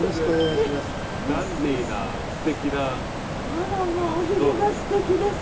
あらまあおひげがステキです。